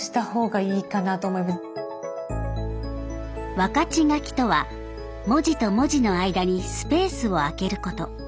分かち書きとは文字と文字の間にスペースを空けること。